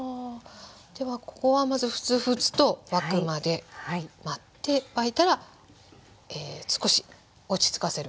ではここはまずフツフツと沸くまで待って沸いたら少し落ち着かせる。